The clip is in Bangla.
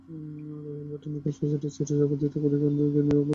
রয়েল বোটানিক্যাল সোসাইটি চিঠির জবাব দিতে কুড়ি দিনের মতো দেরি করল।